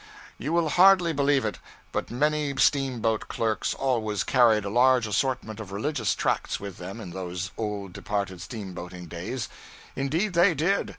You will hardly believe it, but many steamboat clerks always carried a large assortment of religious tracts with them in those old departed steamboating days. Indeed they did.